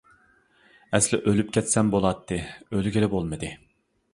ئەسلى ئۆلۈپ كەتسەم بولاتتى، ئۆلگىلى بولمىدى.